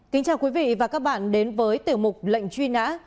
kính chào quý vị và các bạn đến với tiểu mục lệnh truy nã